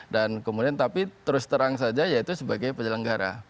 dan kemudian tapi terus terang saja yaitu sebagai penyelenggara